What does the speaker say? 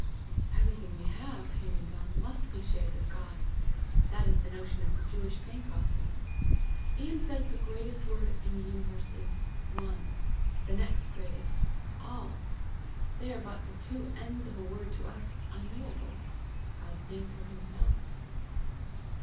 "Everything we have," he went on, "must be shared with God. That is the notion of the Jewish thank offering. Ian says the greatest word in the universe is ONE; the next greatest, ALL. They are but the two ends of a word to us unknowable God's name for himself."